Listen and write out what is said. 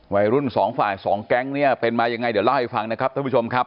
วัยรุ่นสองฝ่ายสองแก๊งเนี่ยเป็นมายังไงเดี๋ยวเล่าให้ฟังนะครับท่านผู้ชมครับ